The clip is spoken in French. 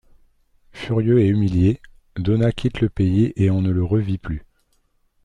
Furieux et humilié, Donat quitte le pays et on ne le revit plus.